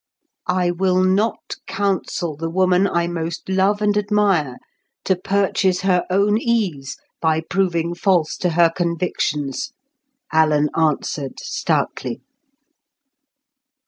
"I will not counsel the woman I most love and admire to purchase her own ease by proving false to her convictions," Alan answered stoutly.